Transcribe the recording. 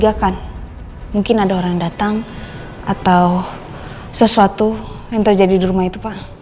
mungkin ada orang datang atau sesuatu yang terjadi di rumah itu pak